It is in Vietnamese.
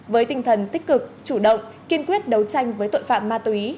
với tinh thần tích cực chủ động kiên quyết đấu tranh với tội phạm ma túy